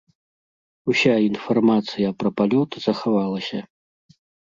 Уся інфармацыя пра палёт захавалася.